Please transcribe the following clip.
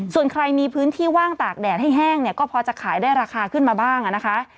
ส่วนใครมีพื้นที่ว่างตากแดดให้แห้งเนี่ยก็พอจะขายได้ราคาขึ้นมาบ้างนะคะ